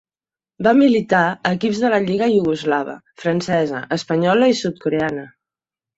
Va militar a equips de la lliga iugoslava, francesa, espanyola i sud-coreana.